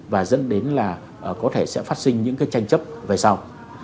và dẫn đến là có thể sẽ phát sinh những cái tranh chấp về sau